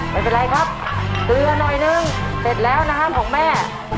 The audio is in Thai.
ไม่เป็นไรครับเกลือหน่อยนึงเสร็จแล้วนะครับของแม่